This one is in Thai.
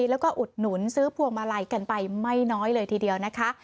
แล้วก็อุดหนุนซื้อพวงมาลัยกันไปไม่น้อยเลยทีเดียวนะคะ